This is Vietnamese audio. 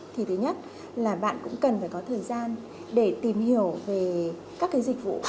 thì thứ nhất là bạn cũng cần phải có thời gian để tìm hiểu về các cái dịch vụ